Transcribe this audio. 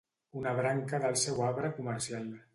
Una branca del seu arbre comercial